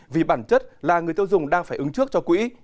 vì bản chất là người tiêu dùng đang phải ứng trước cho quỹ